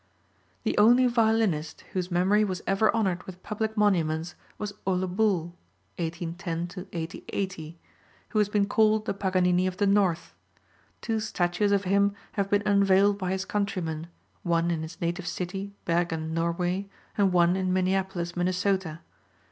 The only violinist whose memory was ever honored with public monuments was Ole Bull (1810 1880), who has been called the Paganini of the North. Two statues of him have been unveiled by his countrymen, one in his native city, Bergen, Norway, and one in Minneapolis, Minnesota.